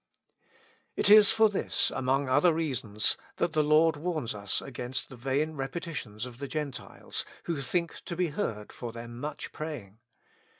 It is for this, among other '"^asons, that the Lord warns us against the vain repetitions of the Gentiles, who think to be heard for their much praying.